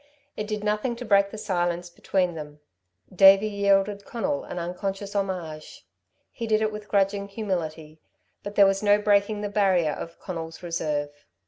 It did nothing to break the silence between them. Davey yielded Conal an unconscious homage. He did it with grudging humility; but there was no breaking the barrier of Conal's reserve.